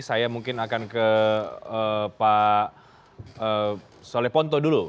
saya mungkin akan ke pak soleponto dulu